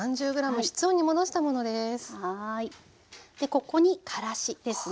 でここにからしですね。